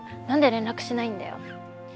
「何で連絡しないんだよ」。